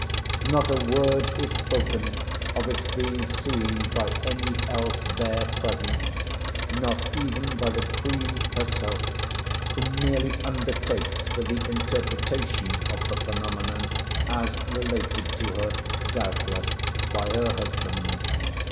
Not a word is spoken of its being seen by any else there present, not even by the queen herself, who merely undertakes for the interpretation of the phenomenon, as related to her, doubtless, by her husband.